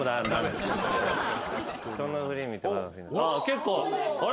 結構あれ？